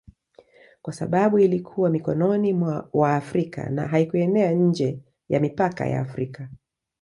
kwa sababu ilikuwa mikononi mwa Waafrika na haikuenea nje ya mipaka ya Afrika